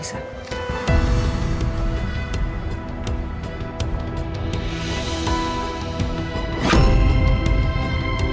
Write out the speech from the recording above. ini kenapa ada di mama